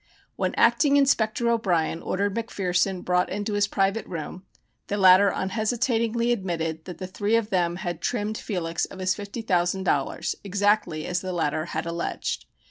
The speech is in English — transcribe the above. When acting Inspector O'Brien ordered McPherson brought into his private room, the latter unhesitatingly admitted that the three of them had "trimmed" Felix of his $50,000, exactly as the latter had alleged.